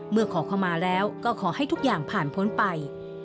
ขอเข้ามาแล้วก็ขอให้ทุกอย่างผ่านพ้นไป